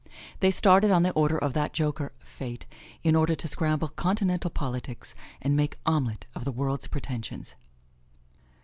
They started on the order of that joker, Fate, in order to scramble Continental politics, and make omelet of the world's pretensions.